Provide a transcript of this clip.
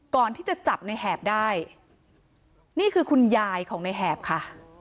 ก่อนที่จะจับในแหบได้นี่คือคุณยายของในแหบค่ะ